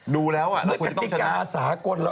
ดูแล้วเราควรจะต้องชนะสหกุล